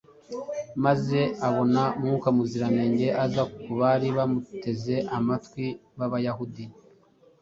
maze akabona Mwuka Muziranenge aza ku bari bamuteze amatwi baba Abayahudi